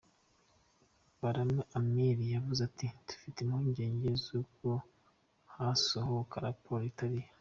Barame Amir yavuze ati “Dufite impungenge z’uko hasohoka raporo itariyo”.